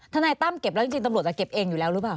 นายตั้มเก็บแล้วจริงตำรวจจะเก็บเองอยู่แล้วหรือเปล่า